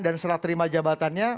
dan setelah terima jabatannya